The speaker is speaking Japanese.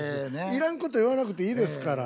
いらんこと言わなくていいですから。